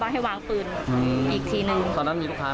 อ่ะแล้วทีนี้แฟนก็เลยรู้ว่า